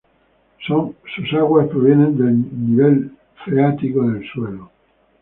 Sus aguas provienen del nivel freático del suelo.